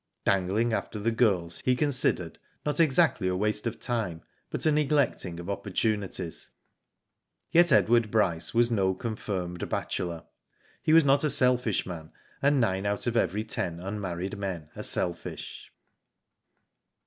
Dangling after the girls he considered not exactly a waste of time, but a neglecting of opportunities. Yet Edward Bryce was no confirmed bachelor. He was not a selfish man, and nine out of every ten unmarried men are selfish.